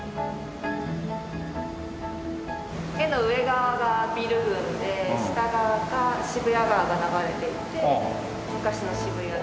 絵の上側がビル群で下側が渋谷川が流れていて昔の渋谷が。